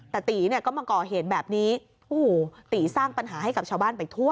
แต่ตีเนี่ยก็มาก่อเหตุแบบนี้โอ้โหตีสร้างปัญหาให้กับชาวบ้านไปทั่ว